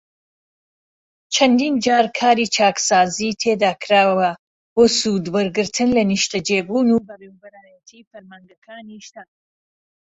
چەندین جار کاری چاکسازیی تیادا کراوە بۆ سوودوەرگرتن لە نیشتەجێبوون و بەڕێوبەرایەتیی فەرمانگەکانی شار